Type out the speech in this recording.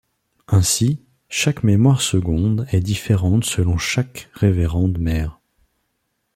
Ainsi, chaque Mémoire Seconde est différente selon chaque Révérende Mère.